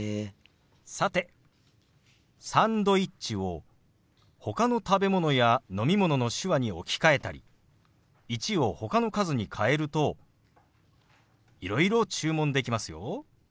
さて「サンドイッチ」をほかの食べ物や飲み物の手話に置き換えたり「１」をほかの数に変えるといろいろ注文できますよ。